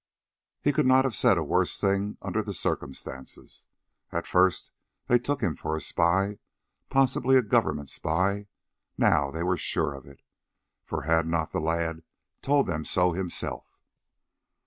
He could not have said a worse thing under the circumstances. At first they took him for a spy, possibly a Government spy. Now they were sure of it, for had not the lad told them so himself?